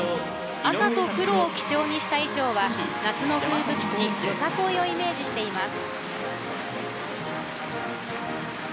赤と黒を基調にした衣装は夏の風物詩、よさこいをイメージしています。